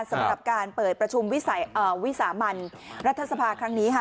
สำหรับการเปิดประชุมวิสามันรัฐสภาครั้งนี้ค่ะ